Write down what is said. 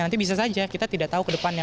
nanti bisa saja kita tidak tahu ke depannya